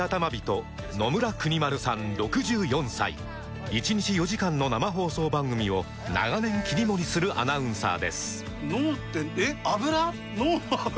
人野村邦丸さん６４歳１日４時間の生放送番組を長年切り盛りするアナウンサーです